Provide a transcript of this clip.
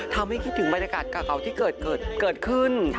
คิดถึงบรรยากาศเก่าที่เกิดขึ้น